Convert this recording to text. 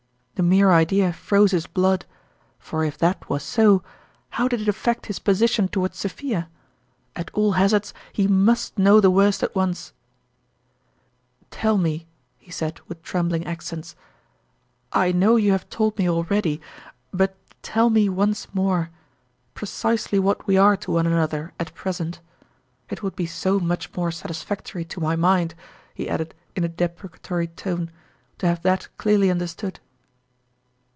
The mere idea froze his blood ; for if that was so, how did it affect his position toward Sophia ? At all hazards, he must know the worst at once ! 42 " Tell me," he said with trembling accents, " I know you have told me already, but tell me once more precisely what we are to one an other at present. It would be so much more satisfactory to my mind," he added, in a de precatory tone, "to have that clearly under stood."